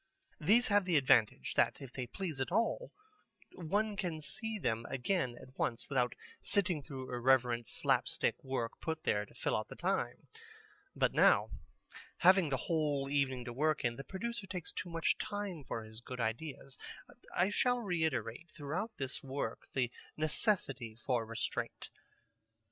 These have the advantage that if they please at all, one can see them again at once without sitting through irrelevant slapstick work put there to fill out the time. But now, having the whole evening to work in, the producer takes too much time for his good ideas. I shall reiterate throughout this work the necessity for restraint.